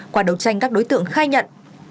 qua đấu tranh các đối tượng khai nhận